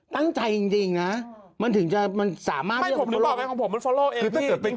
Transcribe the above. นั่งใจจริงจริงนะมันถึงจะมันสามารถเติมค่ะบางโนมัติเขาเองแค่แกจะเป็นจริง